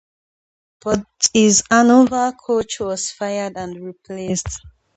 But his Hannover coach was fired and replaced.